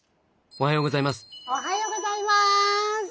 おはようございます！